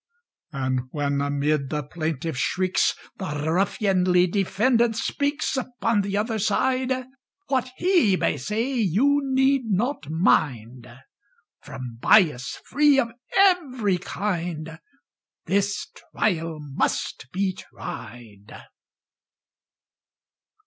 And when amid the plaintiff's shrieks, The ruffianly defendant speaks— Upon the other side; What he may say you need not mind— From bias free of every kind, This trial must be tried!